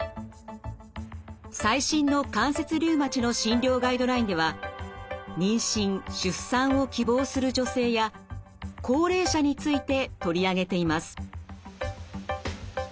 最新の関節リウマチの診療ガイドラインでは妊娠・出産を希望する女性や高齢者について取り上げています。